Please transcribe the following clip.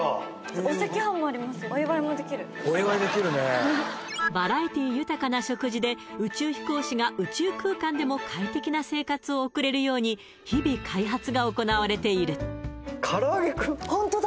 お祝いもできるお祝いできるねバラエティ豊かな食事で宇宙飛行士が宇宙空間でも快適な生活を送れるように日々開発が行われているホントだ！